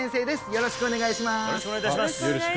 よろしくお願いします